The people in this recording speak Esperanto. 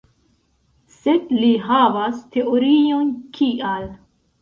Sed li havas teorion kial.